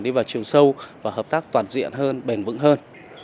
đi vào chiều sâu và hợp tác toàn diện hơn bền vững hơn